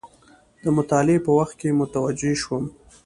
د مطالعې په وخت کې متوجه شوم.